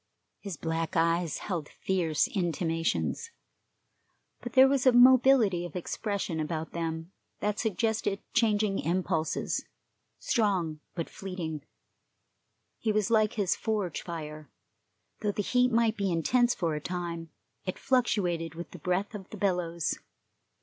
His black eyes held fierce intimations, but there was mobility of expression about them that suggested changing impulses, strong but fleeting. He was like his forge fire; though the heat might be intense for a time, it fluctuated with the breath of the bellows.